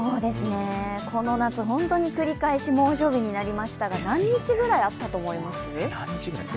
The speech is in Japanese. この夏、本当に繰り返し猛暑日になりましたが何日ぐらいあったと思います？